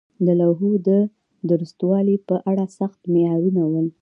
د لوحو د درستوالي په اړه سخت معیارونه وو.